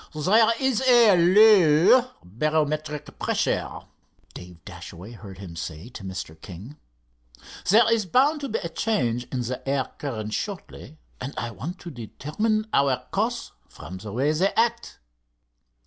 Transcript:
"There is a low barometric pressure," Dave Dashaway had heard him say to Mr. King. "There is bound to be a change in the air currents shortly, and I want to determine our course from the way they act.